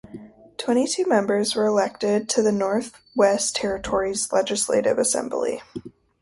Twenty Two members were elected to the Northwest Territories Legislative Assembly.